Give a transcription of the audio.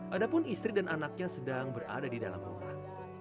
adapun istri dan anaknya sedang berada di dalam rumah